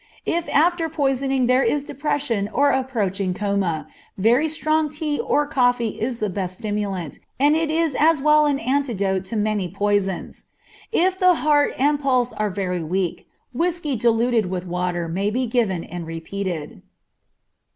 If after poisoning there is depression or approaching coma, very strong tea or coffee is the best stimulant, and it is as well an antidote to many poisons. If the heart and pulse are very weak, whiskey diluted with water may be given and repeated.